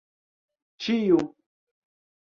ĉiu